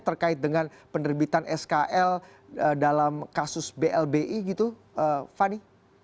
terkait dengan penerbitan skl dalam kasus blbi gitu fani